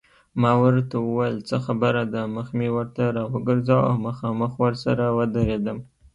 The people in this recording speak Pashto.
ما ورته وویل څه خبره ده، مخ مې ورته راوګرځاوه او مخامخ ورسره ودرېدم.